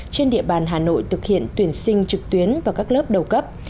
trên địa bàn hà nội thực hiện tuyển sinh trực tuyến vào các lớp đầu cấp